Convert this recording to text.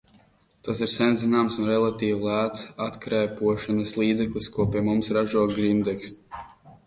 Tas ir sen zināms un relatīvi lēts atkrēpošanas līdzeklis, ko pie mums ražo Grindeks.